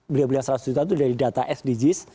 beliau bilang seratus juta itu dari data sdgs